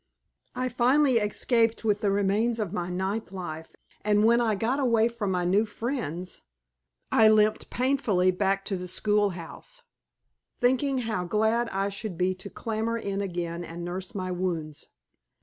I finally escaped with the remains of my ninth life and when I got away from my new friends (?) I limped painfully back to the school house, thinking how glad I should be to clamber in again and nurse my wounds.